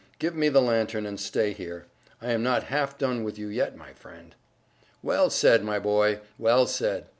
Give me the lantern, and stay here. I'm not half done with you yet, my friend." "Well said, my boy, well said!